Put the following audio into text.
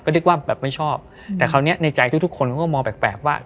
นึกว่าแบบไม่ชอบแต่คราวนี้ในใจทุกคนเขาก็มองแปลกว่า